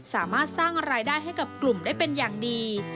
สามารถสร้างรายได้ให้กับกลุ่มได้เป็นอย่างดี